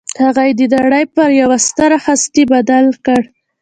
هغه يې د نړۍ پر يوه ستره هستي بدل کړ.